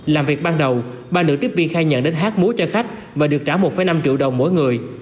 làm việc ban đầu ba nữ tiếp viên khai nhận đến hát múa cho khách và được trả một năm triệu đồng mỗi người